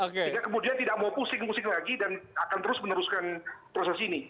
sehingga kemudian tidak mau pusing pusing lagi dan akan terus meneruskan proses ini